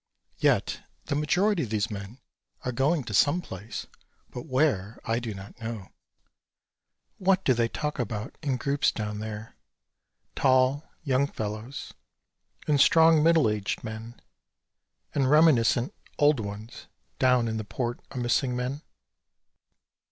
Yet, the majority of these men are going to some place, but where I do not know. What do they talk about in groups down there, tall, young fellows and strong middle aged men and reminiscent, old ones down in the Port o' Missing Men?